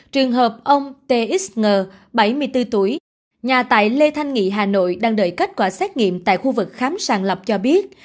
trường hợp ông t x ngờ bảy mươi bốn tuổi nhà tại lê thanh nghị hà nội đang đợi kết quả xét nghiệm tại khu vực khám sàng lập cho biết